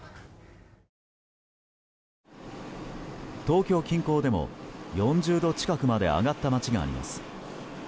東京近郊でも４０度近くまで上がった町があります。